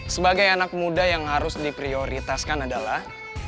sebagai anak muda yang harus diprioritaskan adalah